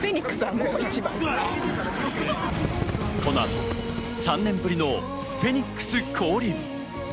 この後、３年ぶりのフェニックス降臨。